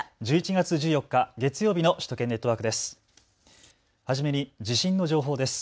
１１月１４日、月曜日の首都圏ネットワークです。